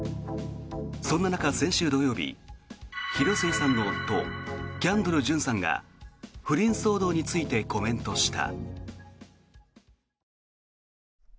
そんな中、先週土曜日広末さんの夫キャンドル・ジュンさんが不倫騒動についてコメントした。